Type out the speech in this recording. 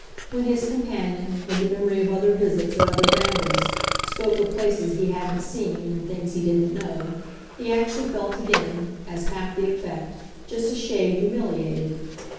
When his companion, with the memory of other visits and other rambles, spoke of places he hadn't seen and things he didn't know, he actually felt again as half the effect just a shade humiliated.